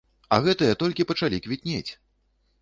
А гэтыя, толькі пачалі квітнець!